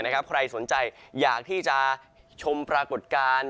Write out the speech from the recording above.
ใครสนใจอยากที่จะชมปรากฏการณ์